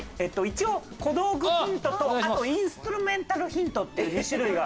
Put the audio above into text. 一応小道具ヒントとあとインストゥルメンタルヒントっていう２種類が。